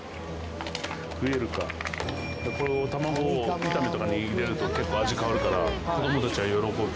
これを卵炒めとかに入れると結構味変わるから子どもたちは喜ぶ。